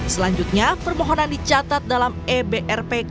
selanjutnya permohonan dicatat dalam ebrpk